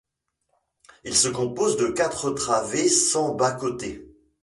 Il se compose de quatre travées sans bas-côtés.